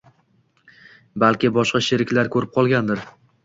Balki boshqa sheriklari ko’rib qolgandir.